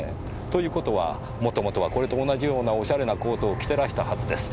という事は元々はこれと同じようなおしゃれなコートを着てらしたはずです。